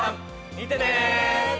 見てね！